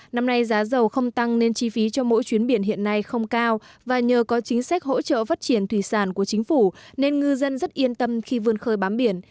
năm nay giá dầu không tăng nên chi phí cho mỗi chuyến biển hiện nay không cao và nhờ có chính sách hỗ trợ phát triển thủy sản của chính phủ nên ngư dân rất yên tâm khi vươn khơi bám biển